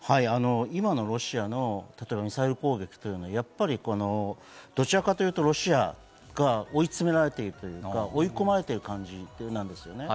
今のロシアの例えばミサイル攻撃というのはやっぱりどちらかというとロシアが追い詰められている、追い込まれている感じなんですよね。